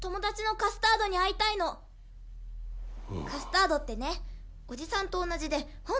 カスタードってねおじさんと同じで本の虫なのよ。